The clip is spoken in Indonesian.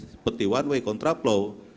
seperti one way kontraplau